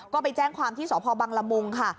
ก็ไปแจ้งความที่สพบังละมุงค่ะ